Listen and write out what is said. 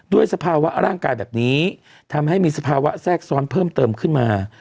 สภาวะร่างกายแบบนี้ทำให้มีสภาวะแทรกซ้อนเพิ่มเติมขึ้นมา